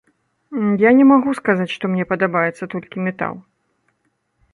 Я не магу сказаць, што мне падабаецца толькі метал.